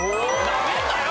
なめんなよ